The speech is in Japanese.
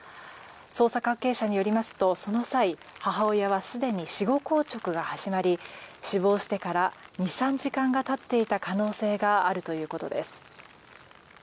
捜査関係者によりますとその際、母親はすでに死後硬直が始まり死亡してから２３時間が経っていた可能性があるということです。